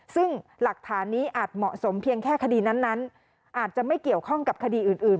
ซึ่งหลักฐานนี้อาจเหมาะสมเพียงแค่คดีนั้นอาจจะไม่เกี่ยวข้องกับคดีอื่น